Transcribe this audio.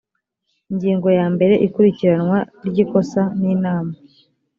ingingo ya mbere ikurikiranwa ry ikosa n inama